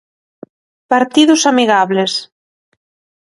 Partidos amigables.